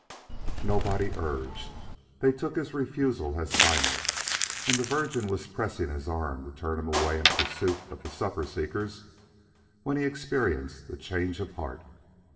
Nobody urged. They took his refusal as final, and the Virgin was pressing his arm to turn him away in pursuit of the supper seekers, when he experienced a change of heart.